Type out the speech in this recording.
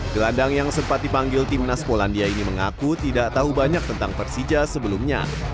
gelandang yang sempat dipanggil timnas polandia ini mengaku tidak tahu banyak tentang persija sebelumnya